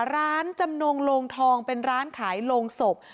จำนงโลงทองเป็นร้านขายโรงศพ